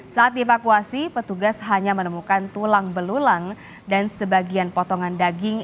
saat dievakuasi petugas hanya menemukan tulang belulang dan sebagian potongan daging